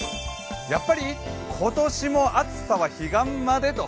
やっぱり、今年も暑さは彼岸まで？と。